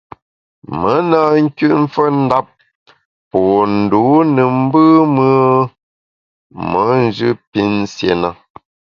Me na nküt mfendap po ndû ne mbùm-ùe me njù pinsié na.